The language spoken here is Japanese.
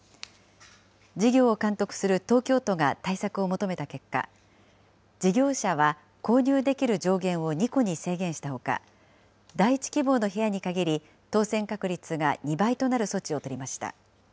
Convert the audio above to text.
事業を監督する東京都が対策を求めた結果、事業者は購入できる上限を２戸に制限したほか、第１希望の部屋に限り、当せん確率が２倍となる措置を取りました。